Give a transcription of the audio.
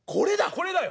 これだよ！